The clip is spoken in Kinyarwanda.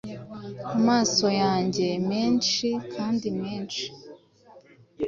Amaso yanjye, menshi kandi menshi,